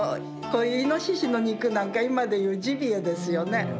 こういうイノシシの肉なんか今で言うジビエですよね。